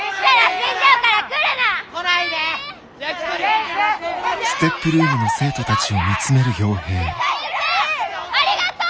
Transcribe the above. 先生ありがとう！